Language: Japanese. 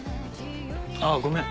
ああごめん。